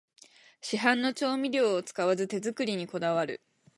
市販の調味料を使わず手作りにこだわる